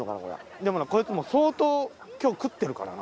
でもなコイツもう相当今日食ってるからな。